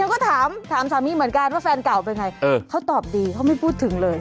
ก็ถามสามีเหมือนกันว่าแฟนเก่าเป็นไงเขาตอบดีเขาไม่พูดถึงเลย